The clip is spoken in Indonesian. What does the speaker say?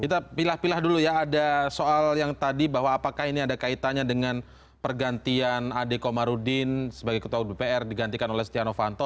kita pilah pilah dulu ya ada soal yang tadi bahwa apakah ini ada kaitannya dengan pergantian ade komarudin sebagai ketua dpr digantikan oleh stiano fanto